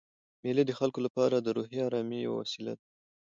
مېلې د خلکو له پاره د روحي آرامۍ یوه وسیله ده.